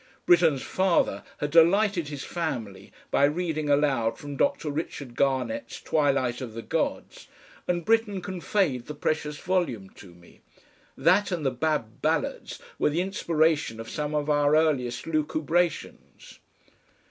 Britten's father had delighted his family by reading aloud from Dr. Richard Garnett's TWILIGHT OF THE GODS, and Britten conveyed the precious volume to me. That and the BAB BALLADS were the inspiration of some of our earliest lucubrations.